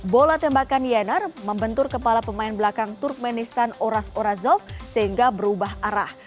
bola tembakan yenner membentur kepala pemain belakang turkmenistan oras orazov sehingga berubah arah